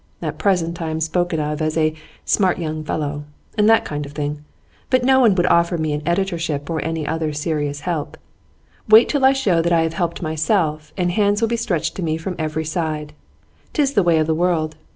At present I am spoken of as a "smart young fellow," and that kind of thing; but no one would offer me an editorship, or any other serious help. Wait till I show that I have helped myself and hands will be stretched to me from every side. 'Tis the way of the world.